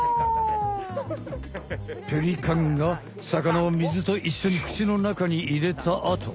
ペリカンが魚を水といっしょにくちの中に入れたあと。